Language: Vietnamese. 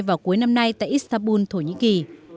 vào cuối năm nay tại istanbul thổ nhĩ kỳ